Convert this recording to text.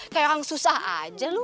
kayak orang susah aja loh